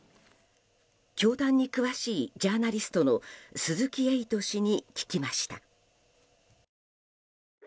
教団に詳しいジャーナリストの鈴木エイト氏に聞きました。